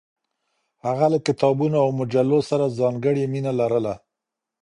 هغه له کتابونو او مجلو سره ځانګړې مینه لرله.